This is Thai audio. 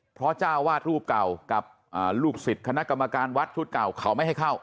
เพราะเจ้าวาดรูปเก่ากับลูกศิษย์คณะกรรมการวัดชุดเก่าเขาไม่ให้เข้า